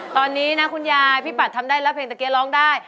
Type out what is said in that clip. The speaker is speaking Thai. ตอนนี้พี่ปัดถั่งได้รับเพลงเพราะเกรงร้องได้